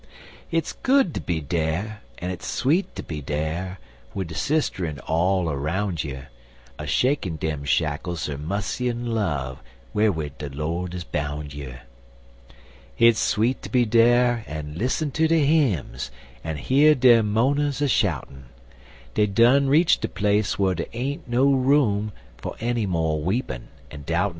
Hit's good ter be dere, en it's sweet ter be dere, Wid de sisterin' all aroun' you A shakin' dem shackles er mussy en' love Wharwid de Lord is boun' you. Hit's sweet ter be dere en lissen ter de hymns, En hear dem mo'ners a shoutin' Dey done reach de place whar der ain't no room Fer enny mo' weepin' en doubtin'.